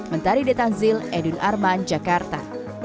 mentari detanzil edwin arman jakarta